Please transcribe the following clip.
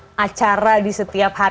iya ini juga beragam macam